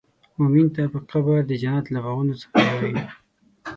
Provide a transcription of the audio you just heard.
مؤمن ته به قبر د جنت له باغونو څخه یو باغ وي.